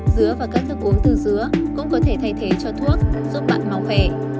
dứa và các thức uống từ dứa cũng có thể thay thế cho thuốc giúp bạn mau khỏe